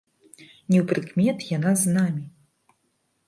Неўпрыкмет яна з намі.